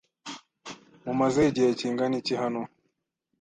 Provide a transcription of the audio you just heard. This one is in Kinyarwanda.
Mumaze igihe kingana iki hano?